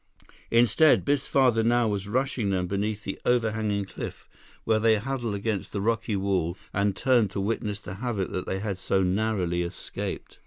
Instead, Biff's father now was rushing them beneath the overhanging cliff, where they huddled against the rocky wall and turned to witness the havoc that they had so narrowly escaped.